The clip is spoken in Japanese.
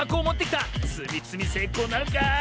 つみつみせいこうなるか？